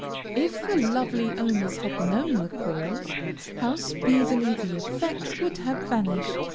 If the lovely owners had known the cause, how speedily the effect would have vanished!